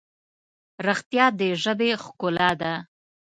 رښتیا د ژبې ښکلا ده.